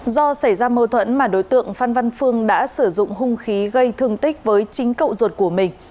do xảy ra mâu thuẫn mà đối tượng phan văn phương đã sử dụng hung khí gây thương tích với chính cậu ruột của mình